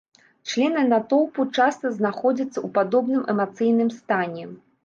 Члены натоўпу часта знаходзяцца ў падобным эмацыйным стане.